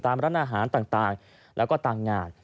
ร้านอาหารต่างแล้วก็ตามงาน